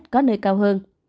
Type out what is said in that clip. có nơi cao hơn